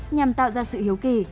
nhằm tạo ra sự hiếu kỳ